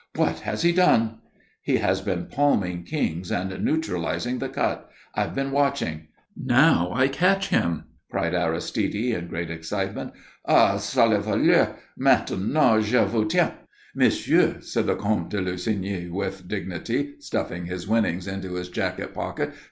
"What has he done?" "He has been palming kings and neutralizing the cut. I've been watching. Now I catch him," cried Aristide in great excitement. "Ah, sale voleur! Maintenant je vous tiens!" "Monsieur," said the Comte de Lussigny with dignity, stuffing his winnings into his jacket pocket.